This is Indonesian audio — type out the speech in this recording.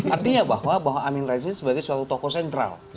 artinya bahwa amin rais ini sebagai suatu tokoh sentral